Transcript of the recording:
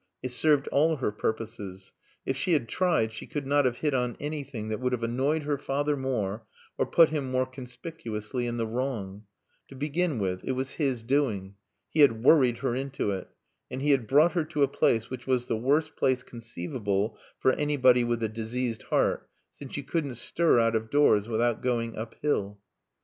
It served all her purposes. If she had tried she could not have hit on anything that would have annoyed her father more or put him more conspicuously in the wrong. To begin with, it was his doing. He had worried her into it. And he had brought her to a place which was the worst place conceivable for anybody with a diseased heart, since you couldn't stir out of doors without going up hill.